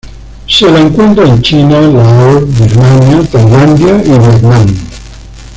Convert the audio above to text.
Se la encuentra en China, Laos, Birmania, Tailandia, y Vietnam.